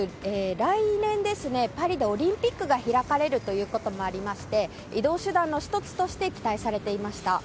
来年、パリでオリンピックが開かれるということもありまして移動手段の１つとして期待されていました。